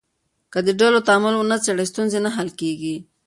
که د ډلو تعامل ونه څېړې، ستونزې نه حل کېږي.